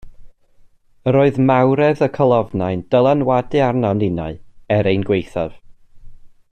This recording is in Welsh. Yr oedd mawredd y colofnau'n dylanwadu arnom ninnau er ein gwaethaf.